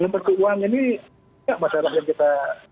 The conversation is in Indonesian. bentuk uang ini tidak masalah yang kita